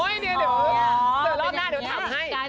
ตั๊กเดี๋ยวเสิร์ฟลอบหน้าเดี๋ยวถามให้